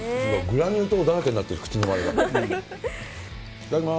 グラニュー糖だらけになってる、口の周りが。